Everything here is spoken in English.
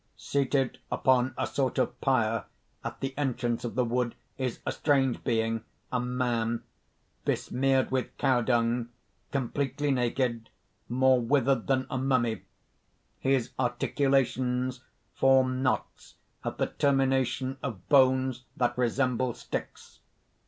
_ _Seated upon a sort of pyre at the entrance of the wood is a strange being a man besmeared with cow dung, completely naked, more withered than a mummy; his articulations form knots at the termination of bones that resemble sticks.